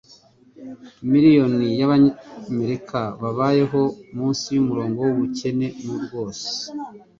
Miliyoni z'Abanyamerika babayeho munsi y'umurongo w'ubukene mu rwose